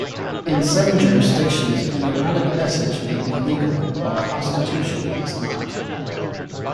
In some jurisdictions, an erotic massage may be legal, while prostitution is not.